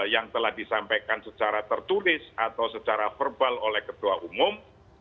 yang telah disampaikan secara tertulis atau secara verbal oleh ketua umum